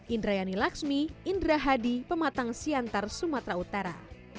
indrayani laksmi indra hadi pematang siantar sumatera utara